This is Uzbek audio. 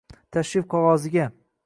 Tashrif qog`oziga